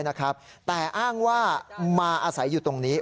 พระขู่คนที่เข้าไปคุยกับพระรูปนี้